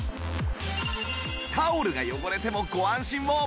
タオルが汚れてもご安心を！